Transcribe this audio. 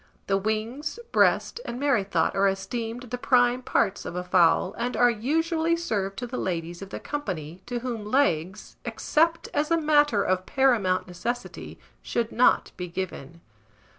The wings, breast, and merrythought are esteemed the prime parts of a fowl, and are usually served to the ladies of the company, to whom legs, except as a matter of paramount necessity, should not be given.